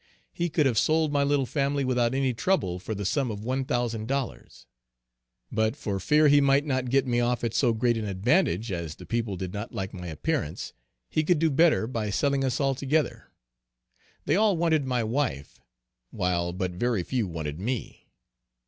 He could have sold my little family without any trouble, for the sum of one thousand dollars. But for fear he might not get me off at so great an advantage, as the people did not like my appearance, he could do better by selling us all together. They all wanted my wife, while but very few wanted me.